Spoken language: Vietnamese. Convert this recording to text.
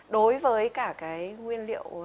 đối với cả cái nguyên liệu